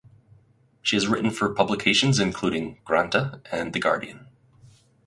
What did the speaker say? She has written for publications including "Granta" and "The Guardian".